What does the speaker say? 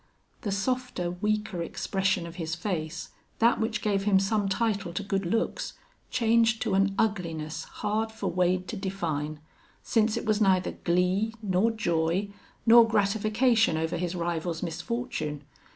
The softer, weaker expression of his face, that which gave him some title to good looks, changed to an ugliness hard for Wade to define, since it was neither glee, nor joy, nor gratification over his rival's misfortune.